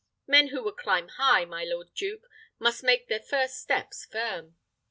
Men who would climb high, my lord duke, must make their first steps firm."